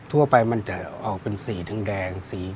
ทั่วไปมันจะออกเป็นสีทั้งแดง